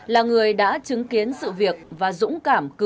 là người đã chứng kiến sự việc và dũng cảm cứu